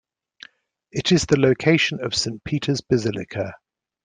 It is the location of Saint Peter's Basilica.